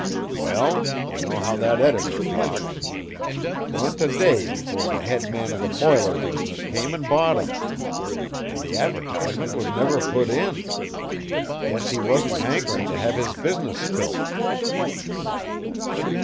'Wall ye know how that editor talks? 'Twant a day 'fore the head man o' the biler business come 'n bought 'em. An' the advertisement was never put in. Guess he wan't hankerin' to hev his business spilt.